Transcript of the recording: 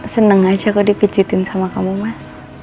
seneng aja aku dipijitin sama kamu mas